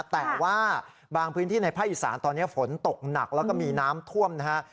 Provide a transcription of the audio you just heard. แต่ว่าบางพื้นที่ในภาคอีสานตอนนี้ฝนตกหนักแล้วก็มีน้ำท่วมนะฮะ